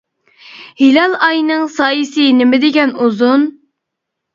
-ھىلال ئاينىڭ سايىسى نېمە دېگەن ئۇزۇن!